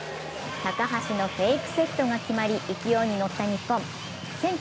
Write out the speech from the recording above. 高橋のフェイクセットが決まり、勢いに乗った日本。